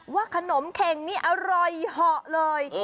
ว่าขนมเข็งนี่อร่อยเหาะเลย